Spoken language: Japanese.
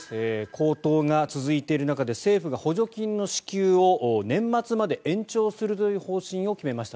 高騰が続いている中で政府が補助金の支給を年末まで延長するという方針を決めました。